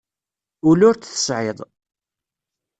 Ul ur t-tesεiḍ.